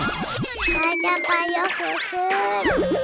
ขอจำปลายกลุ่มขึ้น